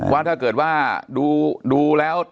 ว่าถ้าเกิดว่าดูแล้ว